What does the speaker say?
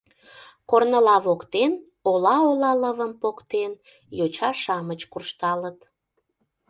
Корныла воктен, ола-ола лывым поктен, йоча-шамыч куржталыт.